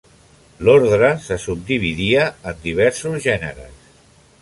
L'ordre se subdividia en diversos gèneres.